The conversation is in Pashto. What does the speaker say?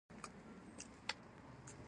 د نظر اختلافونه به پای ونه مومي.